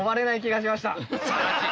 素晴らしい！